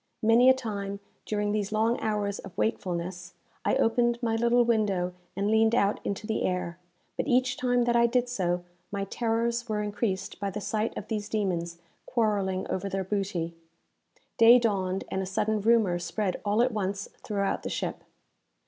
Many a time, during these long hours of wakefulness, I opened my little window and leaned out into the air; but each time that I did so, my terrors were increased by the sight of these demons quarrelling over their booty. Day dawned, and a sudden rumour spread all at once throughout the ship.